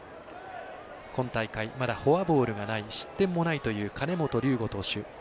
今大会、まだフォアボールがない失点もないという金本琉瑚投手。